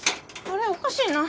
あれおかしいな？